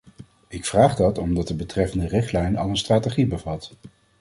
Ik vraag dat omdat de betreffende richtlijn al een strategie bevat.